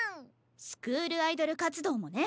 スクールアイドル活動もね。